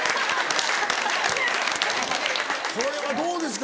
これはどうですか？